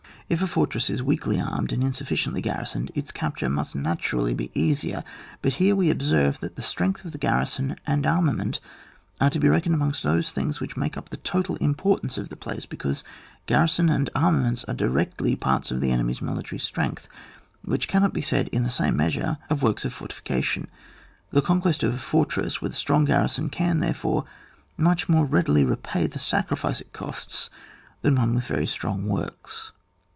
K a fortress is weakly armed and insufficiently garri soned, its capture must naturally be easier ; but here we must observe that the strength of the garrison and arma ment, are to be reckoned amongst those things which make up the total imporU ane$ of the place, because garrison and armaments are directly parts of the enemy's military strength, which cannot be said in the same measure of works of fortification. The conquest of a fortress with a strong garrison can, therefore, much more readilv repay the sacrifice it costs than one with very strong works.